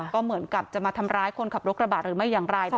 ก็เหมือนกับจะมาทำร้ายคนขับรถกระบะหรือไม่อย่างไร